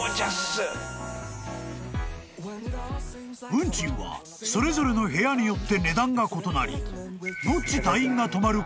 ［運賃はそれぞれの部屋によって値段が異なりノッチ隊員が泊まる